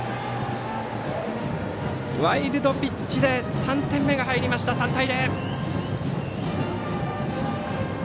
ワイルドピッチで３点目が入って、３対０。